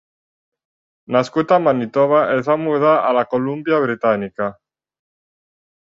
Nascut a Manitoba, es va mudar a la Colúmbia Britànica.